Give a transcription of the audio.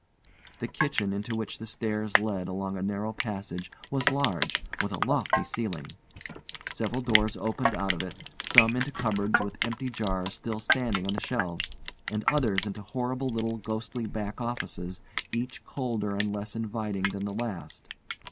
The kitchen, into which the stairs led along a narrow passage, was large, with a lofty ceiling. Several doors opened out of it some into cupboards with empty jars still standing on the shelves, and others into horrible little ghostly back offices, each colder and less inviting than the last.